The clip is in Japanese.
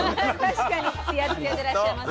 確かにつやつやでいらっしゃいます。